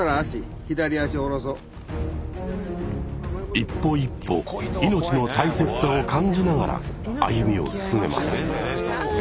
一歩一歩命の大切さを感じながら歩みを進めます。